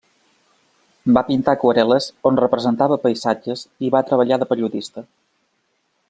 Va pintar aquarel·les on representava paisatges i va treballar de periodista.